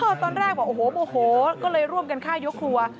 อ่ออตอนแรกแต่โหวโหไม่โหก็เลยร่วมกันฆ่ายกครัว